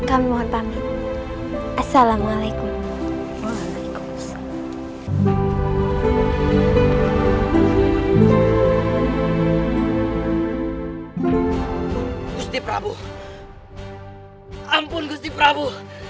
ampun gusti prabu